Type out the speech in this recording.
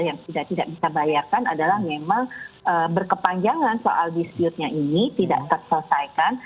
yang kita tidak bisa bayarkan adalah memang berkepanjangan soal dispute nya ini tidak terselesaikan